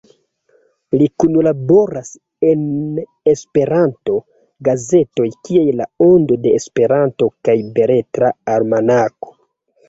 Li kunlaboras en Esperanto gazetoj kiaj La Ondo de Esperanto kaj Beletra Almanako.